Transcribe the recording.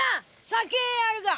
酒あるか。